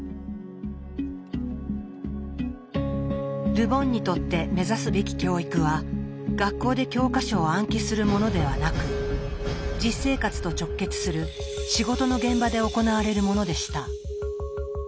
ル・ボンにとって目指すべき教育は学校で教科書を暗記するものではなく実生活と直結する仕事の現場で行われるものでした。